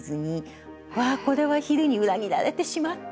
わあこれは昼に裏切られてしまった！